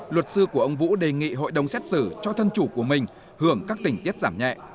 luật sư của ông vũ đề nghị hội đồng xét xử cho thân chủ của mình hưởng các tình tiết giảm nhẹ